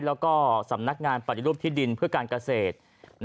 แล้วก็สำนักงานปฏิรูปที่ดินเพื่อการเกษตร